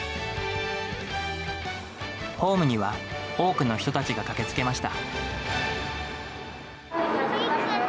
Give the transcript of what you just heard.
ホームには、多くの人たちが駆けつけました。